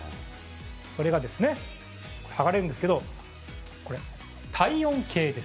それが剥がれるんですけどこれ、体温計です。